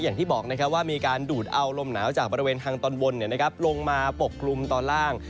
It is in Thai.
อย่างที่บอกนะครับว่ามีการดูดเอาลมหนาวจากบริเวณทางตอนบนลงมาปกกลุ่มตอนล่าง